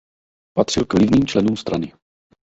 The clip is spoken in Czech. Patřil k vlivným členům strany.